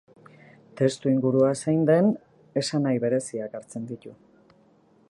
Testuingurua zein den, esanahi bereziak hartzen ditu.